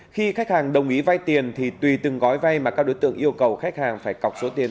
khi khách hàng đồng ý vay tiền thì tùy từng gói vay mà các đối tượng yêu cầu khách hàng phải cọc số tiền